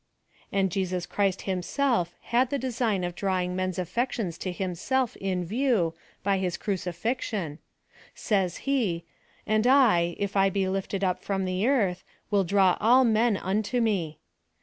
And Jesus Christ himself liad the design of drawing men's affections to himself in view, by his crucifixion: says he, "and I, if 1 be lifted up froni the earth, will draw ail men unto me."